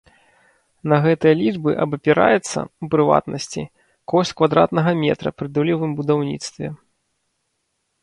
На гэтыя лічбы абапіраецца, у прыватнасці, кошт квадратнага метра пры долевым будаўніцтве.